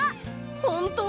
ほんと？